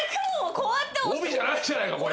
帯じゃないじゃないか！